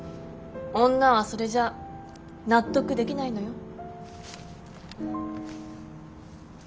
女はそれじゃ納得できないのよ。